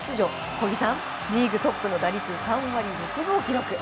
小木さん、リーグトップの打率３割６分を記録。